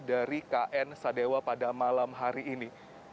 dari kn sadewa pada malam hari ini